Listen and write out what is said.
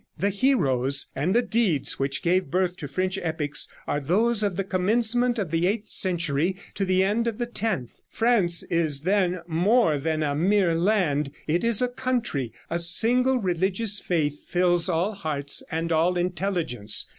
"The heroes and the deeds which gave birth to French epics are those of the commencement of the eighth century to the end of the tenth. France is then more than a mere land; it is a country; a single religious faith fills all hearts and all intelligence.